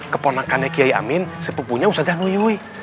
keponakannya kyai amin sepupunya ustadz januyuri